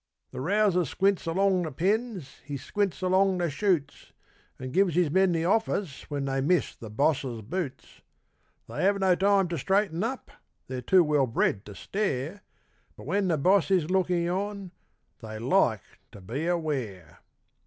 The rouser squints along the pens, he squints along the shoots, And gives his men the office when they miss the Boss's boots. They have no time to straighten up, they're too well bred to stare, But when the Boss is looking on they like to be aware.